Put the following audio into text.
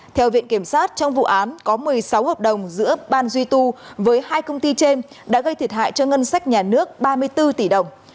theo viện kiểm sát trong vụ án có một mươi sáu hợp đồng giữa ban duy tu với hai công ty trên đã gây thiệt hại cho ngân sách nhà nước ba mươi bốn tỷ đồng